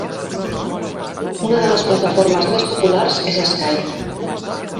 Una de les plataformes més populars és Skype.